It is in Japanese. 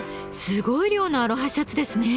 すごい量のアロハシャツですね。